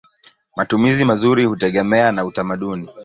Matumizi mazuri hutegemea na utamaduni.